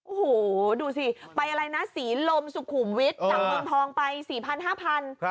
โอ้โหดูสิไปอะไรนะศรีลมสุขุมวิทย์จากเมืองทองไป๔๐๐๕๐๐บาท